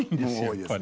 やっぱり。